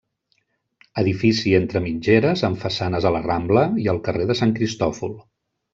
Edifici entre mitgeres amb façanes a la Rambla i al carrer de Sant Cristòfol.